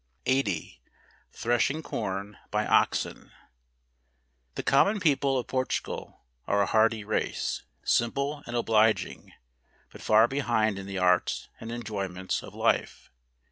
80 . Threshing Corn by Oxen . The common people of Portugal are a hardy race; simple, and obliging; but far behind in the arts and enjoyments of life.